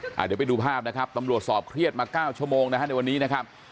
เดี๋ยวไปดูภาพนะครับตำรวจสอบเครียดมา๙ชั่วโมงนะฮะในวันนี้นะครับ